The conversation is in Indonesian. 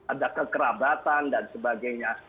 ada kekerabatan dan sebagainya